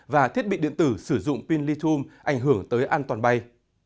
và thiết bị điện tử sử dụng pin lithum ảnh hưởng tới an toàn bay